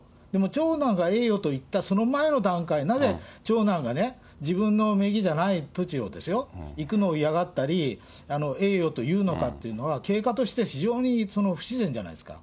長男がええよと言ったその前の段階、なぜ長男がね、自分の名義じゃない土地をですよ、行くのを嫌がったり、ええよと言うのかというのは、経過として非常に不自然じゃないですか。